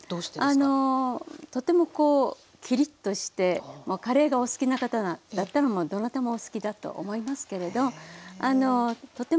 とてもこうキリッとしてカレーがお好きな方だったらどなたもお好きだと思いますけれどとても爽やかで夏にとてもいいと思います。